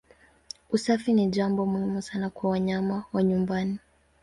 Usafi ni jambo muhimu sana kwa wanyama wa nyumbani.